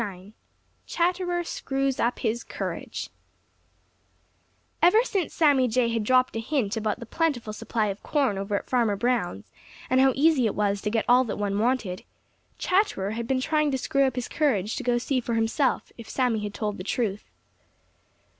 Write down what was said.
*IX* *CHATTERER SCREWS UP HIS COURAGE* Ever since Sammy Jay had dropped a hint about the plentiful supply of corn over at Farmer Brown's and how easy it was to get all that one wanted, Chatterer had been trying to screw up his courage to go see for himself if Sammy had told the truth.